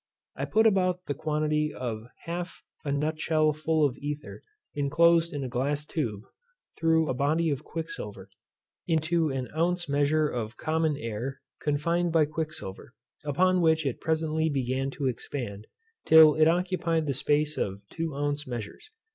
I put about the quantity of half a nut shell full of ether, inclosed in a glass tube, through a body of quicksilver, into an ounce measure of common air, confined by quicksilver; upon which it presently began to expand, till it occupied the space of two ounce measures.